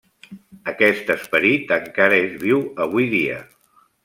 Aquest esperit encara és viu avui dia.